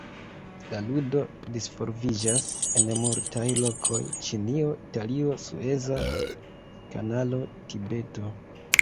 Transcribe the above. La ludo disvolviĝas en multaj lokoj: Ĉinio, Italio, sueza kanalo, Tibeto.